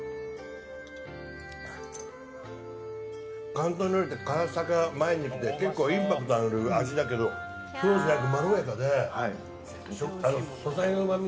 広東料理って辛さが前に来て結構インパクトある味だけどそうじゃなくて。